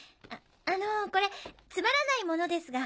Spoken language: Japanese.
ああのこれつまらないものですが。